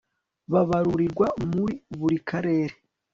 babarurirwa muri buri Karere